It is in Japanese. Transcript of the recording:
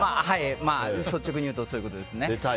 率直に言うとそういうことです。